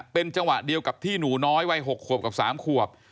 เป็นจังหวะเดียวกับที่หนูน้อยวัย๖ขวบกับ๓ขวบ